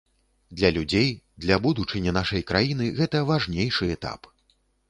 Для людзей, для будучыні нашай краіны гэта важнейшы этап.